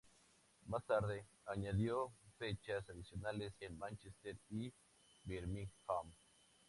Más tarde, añadió fechas adicionales en Manchester y Birmingham.